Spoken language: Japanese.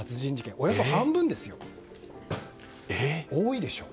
およそ半分ですよ。多いでしょ？